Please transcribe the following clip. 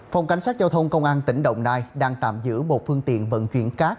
phòng cảnh sát giao thông công an tỉnh đồng nai đang tạm giữ một phương tiện vận chuyển cát